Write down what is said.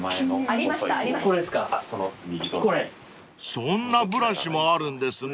［そんなブラシもあるんですね］